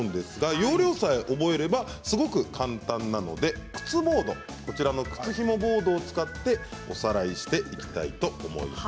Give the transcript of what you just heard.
要領さえ覚えればすごく簡単なので靴ひもボードを使っておさらいしていきたいと思います。